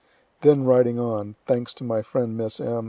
Then riding on, (thanks to my friend Miss M.